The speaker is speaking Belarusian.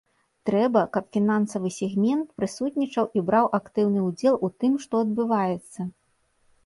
Трэба, каб фінансавы сегмент прысутнічаў і браў актыўны ўдзел у тым, што адбываецца.